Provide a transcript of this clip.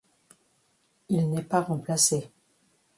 Il n'est pas remplacé.